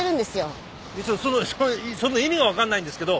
その意味が分かんないんですけど。